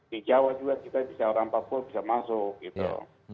di jawa juga kita bisa orang papua bisa masuk gitu